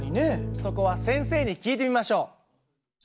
そこは先生に聞いてみましょう。